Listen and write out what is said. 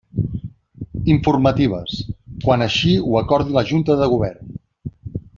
Informatives: quan així ho acordi la Junta de Govern.